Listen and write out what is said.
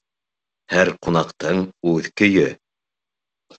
Һәр ҡунаҡтың үҙ көйө.